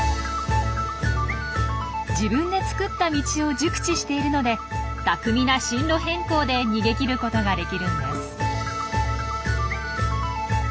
自分で作った道を熟知しているので巧みな進路変更で逃げきることができるんです。